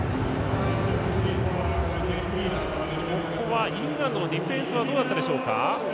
ここはイングランドのディフェンスがどうだったでしょうか。